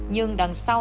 nhưng đằng sau